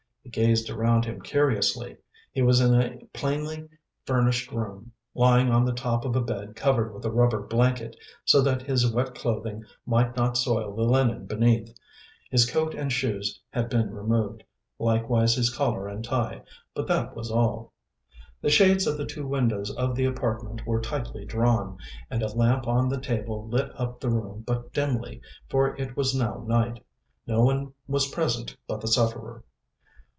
He gazed around him curiously. He was in a plainly furnished room, lying on the top of a bed covered with a rubber blanket, so that his wet clothing might not soil the linen beneath. His coat and shoes had been removed, likewise his collar and tie, but that was all. The shades of the two windows of the apartment were tightly drawn and a lamp on the table lit up the room but dimly, for it was now night. No one was present but the sufferer.